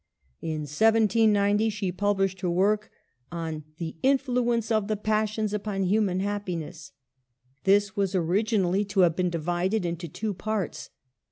In 1790 she published her work on The Influ ence of the Passions upon Human Happiness. This was originally to have been divided into two parts.